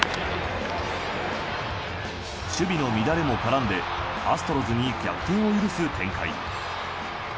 守備の乱れも絡んでアストロズに逆転を許す展開。